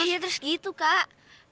iya terus gitu kak